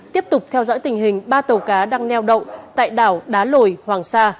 tiếp tục theo dõi tình hình ba tàu cá đang neo đậu tại đảo đá lồi hoàng sa